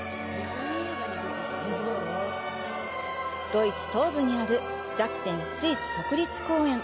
ドイツ東部にあるザクセン・スイス国立公園。